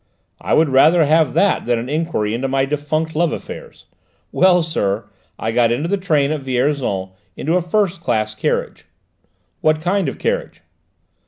"I would rather have that than an enquiry into my defunct love affairs. Well, sir, I got into the train at Vierzon, into a first class carriage " "What kind of carriage?"